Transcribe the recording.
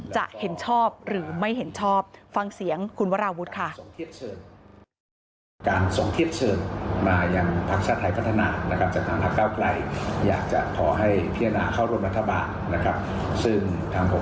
จะเห็นชอบหรือไม่เห็นชอบฟังเสียงคุณวราวุฒิค่ะ